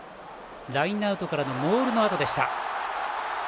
ラインアウトからのモールのあとでした。